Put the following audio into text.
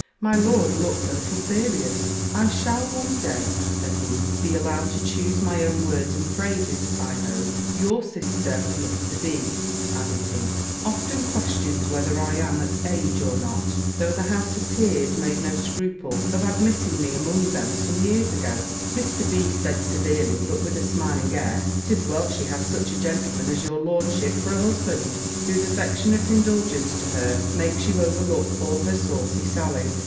My lord looked a little serious: "I shall one day," said he, "be allowed to choose my own words and phrases, I hope Your sister, Mr. B.," added he, "often questions whether I am at age or not, though the House of Peers made no scruple of admitting me among them some years ago." Mr. B. said severely, but with a smiling air, "'Tis well she has such a gentleman as your lordship for a husband, whose affectionate indulgence to her makes you overlook all her saucy sallies!